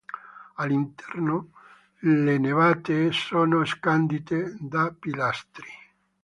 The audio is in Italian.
All'interno le navate sono scandite da pilastri.